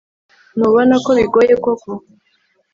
Ntubona ko bigoye koko